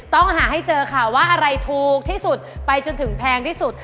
ต้องหาให้เจอค่ะว่าอะไรถูกที่สุดไปจนถึงแพงที่สุด